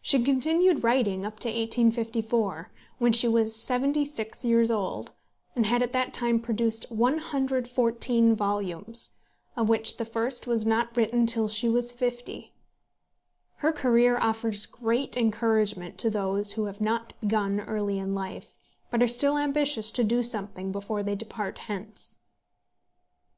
She continued writing up to 1856, when she was seventy six years old, and had at that time produced 114 volumes, of which the first was not written till she was fifty. Her career offers great encouragement to those who have not begun early in life, but are still ambitious to do something before they depart hence.